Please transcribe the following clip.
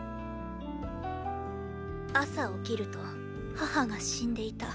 朝起きると母が死んでいた。